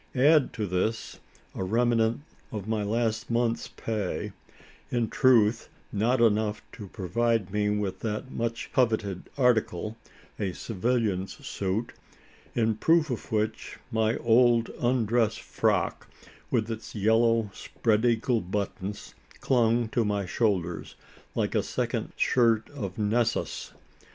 Add to this, a remnant of my last month's pay in truth, not enough to provide me with that much coveted article, a civilian's suit: in proof of which, my old undress frock, with its yellow spread eagle buttons, clung to my shoulders like a second shirt of Nessus.